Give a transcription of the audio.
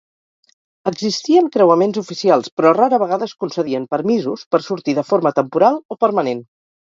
Existien creuaments oficials, però rara vegada es concedien permisos per sortir de forma temporal o permanent.